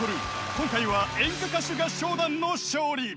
今回は演歌歌手合唱団の勝利！］